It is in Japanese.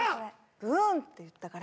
ブウーンっていったから